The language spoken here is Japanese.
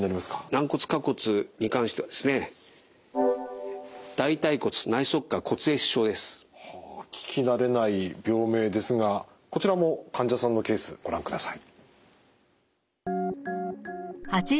軟骨下骨に関してはですねはあ聞き慣れない病名ですがこちらも患者さんのケースご覧ください。